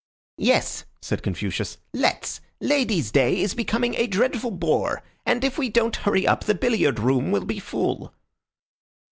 "Yes," said Confucius. "Let's. Ladies' day is becoming a dreadful bore, and if we don't hurry up the billiard room will be full."